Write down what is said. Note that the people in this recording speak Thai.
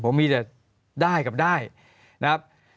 ผมมีแต่ได้กับได้นะครับ